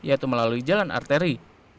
yaitu melalui jalan arteri